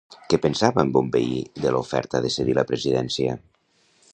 Què pensa en Bonvehí de l'oferta de cedir la presidència?